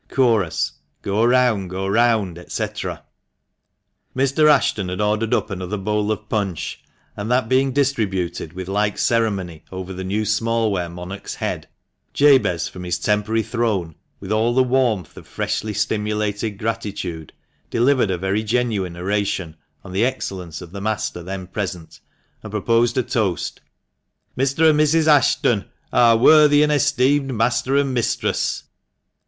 Chorus — Go round, go round, &c. Mr. Ashton had ordered up another bowl of punch, and that being distributed with like ceremony over the new small ware monarch's head, Jabez, from his temporary throne, with all the warmth of freshly stimulated gratitude, delivered a very genuine oration on the excellence of the master then present, and proposed, as a toast, " Mr. and Mrs. Ashton, our worthy and esteemed master and mistress."